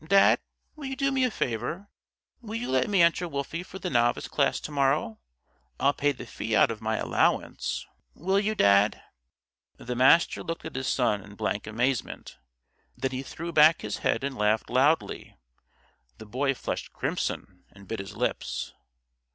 Dad, will you do me a favor? Will you let me enter Wolfie for the Novice Class to morrow? I'll pay the fee out of my allowance. Will you, Dad?" The Master looked at his son in blank amazement. Then he threw back his head and laughed loudly. The Boy flushed crimson and bit his lips.